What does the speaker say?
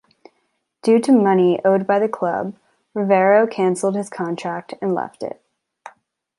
Due to money owed by the club, Rivero cancelled his contract and left it.